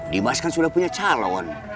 dimas kan sudah punya calon